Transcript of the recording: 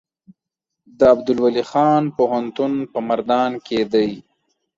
د عبدالولي خان پوهنتون په مردان کې دی